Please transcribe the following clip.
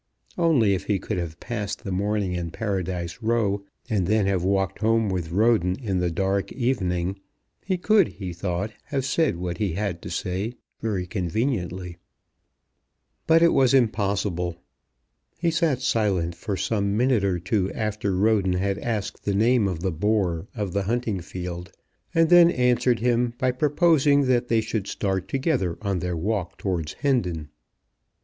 Only if he could have passed the morning in Paradise Row, and then have walked home with Roden in the dark evening, he could, he thought, have said what he had to say very conveniently. But it was impossible. He sat silent for some minute or two after Roden had asked the name of the bore of the hunting field, and then answered him by proposing that they should start together on their walk towards Hendon.